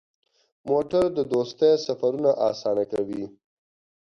موټر د دوستۍ سفرونه اسانه کوي.